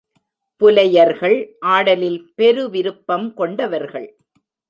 புலையர்கள் ஆடலில் பெருவிருப்பம் கொண்டவர்கள்.